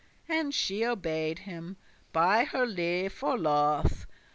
And she obey'd him, be her *lefe or loth.